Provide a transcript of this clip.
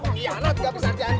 penghianat gak bisa diandalin